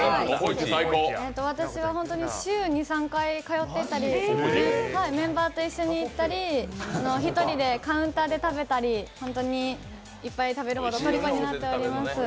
私は本当に週２３回通ってたりメンバーと一緒に行ったり１人でカウンターで食べたりいっぱい食べるほどとりこになっております。